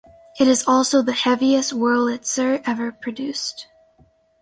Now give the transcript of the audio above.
It is also the heaviest Wurlitzer ever produced.